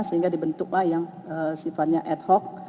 sehingga dibentuklah yang sifatnya ad hoc